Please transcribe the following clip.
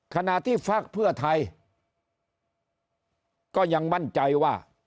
ขณะที่ฝากเพื่อไทยก็ยังมั่นใจว่า